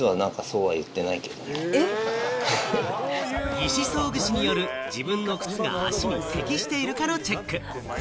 義肢装具士による自分の靴が足に適しているかのチェック。